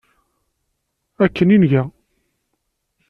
Akken i nga.